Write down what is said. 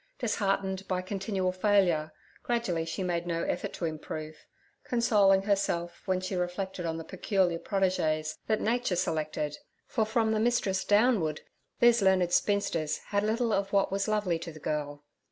Disheartened by continual failure, gradually she made no effort to improve, consoling herself when she reflected on the peculiar protégés that Nature selected, for from the mistress downward these learned spinsters had little of what was lovely to the girl.